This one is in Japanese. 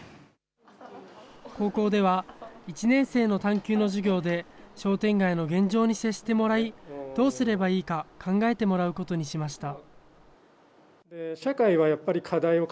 高校では、１年生の探究の授業で商店街の現状に接してもらい、どうすればいいか考えてもらうことにしました。